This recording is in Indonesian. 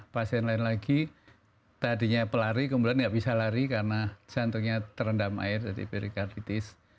pasien lain lagi tadinya pelari kemudian nggak bisa lari karena jantungnya terendam air jadi perikarvitis